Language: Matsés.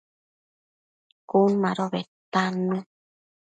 Cun mado bedtannu